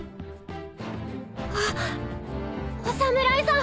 あっお侍さん！